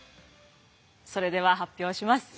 それでは発表します！